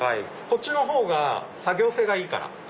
こっちのほうが作業性がいいから。